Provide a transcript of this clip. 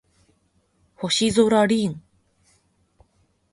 星空凛